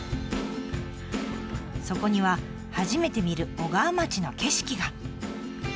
そこには初めて見る小川町の景色が。